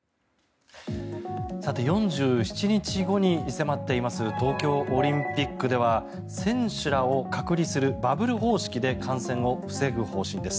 さて４７日後に迫っています東京オリンピックでは選手らを隔離するバブル方式で感染を防ぐ方針です。